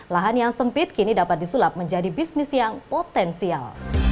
lahan yang sempit kini dapat disulap menjadi bisnis yang potensial